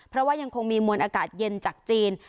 เพราะว่ายังคงมีมวลอากาศเย็นจากจีน